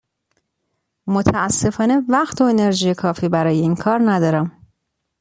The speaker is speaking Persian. متأسفانه وقت و انرژی کافی برای این کار ندارم.